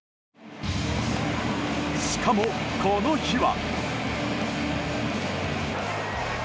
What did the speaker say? しかも、この日は。